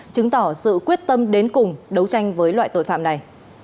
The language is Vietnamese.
chứng tỏ sự quyết tâm đến cùng đấu tranh với loại tội phạm này